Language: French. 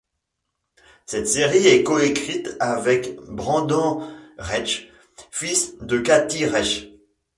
Cette série est coécrite avec Brendan Reichs, fils de Kathy Reichs.